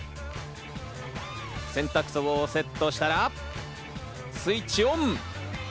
洗濯槽をセットしたら、スイッチオン。